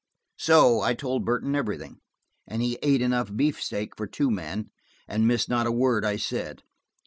So–I told Burton everything, and he ate enough beefsteak for two men, and missed not a word I said.